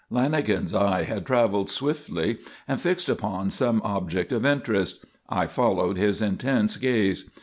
Lanagan's eye had travelled swiftly and fixed upon some object of interest. I followed his intense gaze.